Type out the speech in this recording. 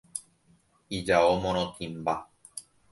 Ijao morotĩmba.